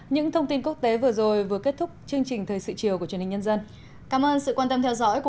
những thông tin quốc tế vừa rồi vừa kết thúc chương trình thời sự chiều của truyền hình nhân dân